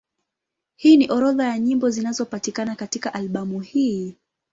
Hii ni orodha ya nyimbo zinazopatikana katika albamu hii.